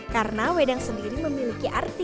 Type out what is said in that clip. karena medang sendiri memiliki alat yang sangat baik